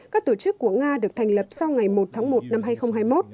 các tổ chức của nga được thành lập sau ngày một tháng một năm hai nghìn hai mươi một